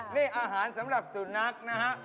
นี่อาหารสำหรับสุนัขนะฮะ